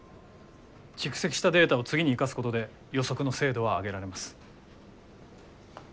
蓄積したデータを次に生かすことで予測の精度は上げられます。